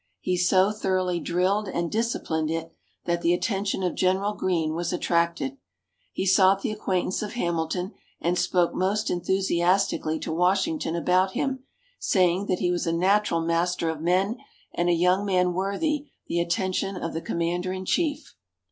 He so thoroughly drilled and disciplined it, that the attention of General Greene was attracted. He sought the acquaintance of Hamilton, and spoke most enthusiastically to Washington about him, saying that he was a natural master of men, and a young man worthy the attention of the Commander in Chief.